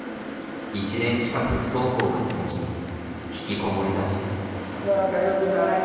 １年近く不登校が続き引きこもりがち。ののかよう来たね。